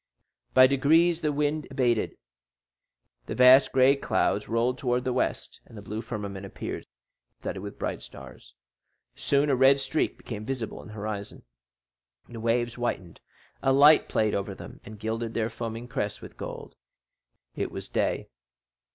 By degrees the wind abated, vast gray clouds rolled towards the west, and the blue firmament appeared studded with bright stars. Soon a red streak became visible in the horizon, the waves whitened, a light played over them, and gilded their foaming crests with gold. It was day.